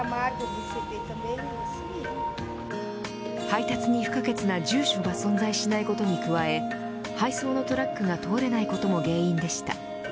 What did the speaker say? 配達に不可欠な住所が存在しないことに加え配送のトラックが通れないことも原因でした。